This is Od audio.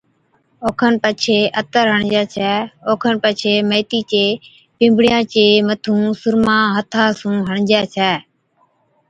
اوکن پڇي عطر ھڻجَي ڇَي اوکن پڇي ميٿِي چي پِمبڻِيا چي مٿُون سُرما ھٿا سُون ھڻجَي ڇَي